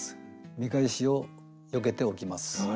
見返しをよけておきます。